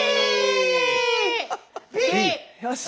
よし。